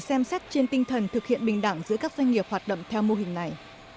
xem xét trên tinh thần thực hiện bình đẳng giữa các doanh nghiệp hoạt động theo mô hình này